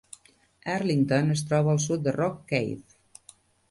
Arlington es troba al sud de Rock Cave.